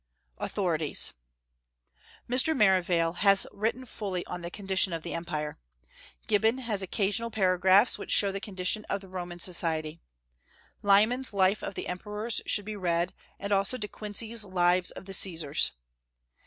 AUTHORITIES. Mr. Merivale has written fully on the condition of the empire. Gibbon has occasional paragraphs which show the condition of Roman society. Lyman's Life of the Emperors should be read, and also DeQuincey's Lives of the Caesars.